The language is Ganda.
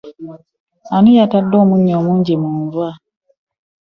Ani yatadde omunyo omungi mu nva?